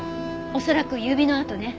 恐らく指の痕ね。